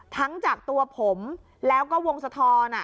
ทั้งจากตัวผมแล้วก็วงสะท้อน